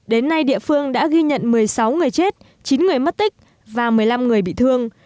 đến nay địa phương đã ghi nhận một mươi sáu người chết chín người mất tích và một mươi năm người bị thương